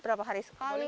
berapa hari sekali